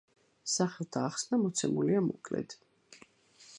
სახელთა ახსნა მოცემულია მოკლედ.